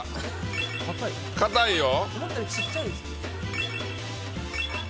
硬いよ。